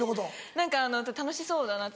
何か楽しそうだなって。